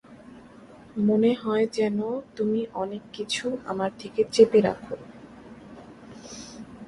মনে হয় যেন, তুমি অনেককিছু আমার থেকে চেপে রাখো।